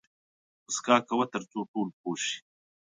موسکا کوه تر څو ټول پوه شي